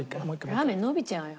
ラーメン伸びちゃうよ。